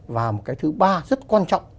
và một cái thứ ba rất quan trọng